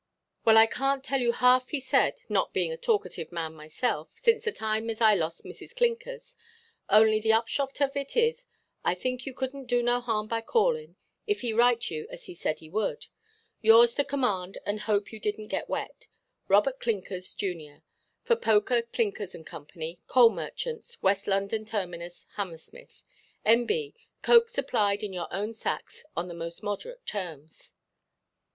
Well, I canʼt tell you half he said, not being a talkative man myself, since the time as I lost Mrs. Clinkers. Only the upshot of it is, I think you couldnʼt do no harm by callinʼ, if he write you as he said he would. "Yours to command, and hope you didnʼt get wet, "ROBERT CLINKERS, Jun., for POKER, CLINKERS, and Co., Coal Merchants, West London Terminuss, Hammersmith. "N.B.—Coke supplied in your own sacks, on the most moderate terms."